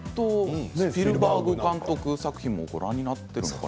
スピルバーグ監督作品もご覧になっていますか？